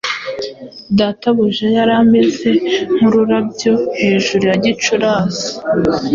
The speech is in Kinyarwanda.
Databuja yari ameze nk'ururabyo hejuru ya Gicurasi!